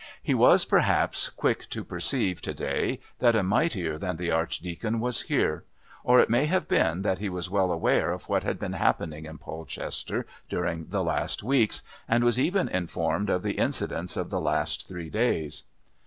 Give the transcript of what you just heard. He was, perhaps, quick to perceive to day that a mightier than the Archdeacon was here; or it may have been that he was well aware of what had been happening in Polchester during the last weeks, and was even informed of the incidents of the last three days.